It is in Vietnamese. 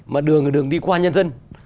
mà đường là đường đi qua nhân dân